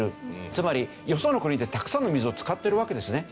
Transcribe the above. つまりよその国でたくさんの水を使ってるわけですね。